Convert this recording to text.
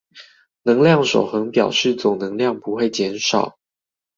能量守恆表示總能量不會減少